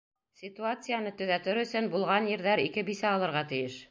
Ситуацияны төҙәтер өсөн булған ирҙәр ике бисә алырға тейеш!